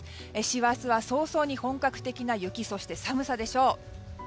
師走は早々に本格的な雪そして寒さでしょう。